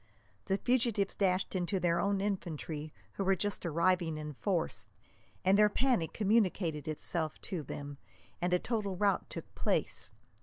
The fugitives dashed into their own infantry, who were just arriving in force, and their panic communicated itself to them, and a total rout took place.